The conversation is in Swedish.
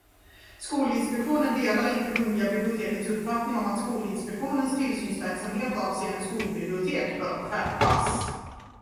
Skolinspektionen delar inte Kungliga bibliotekets uppfattning om att Skolinspektionens tillsynsverksamhet avseende skolbibliotek bör skärpas.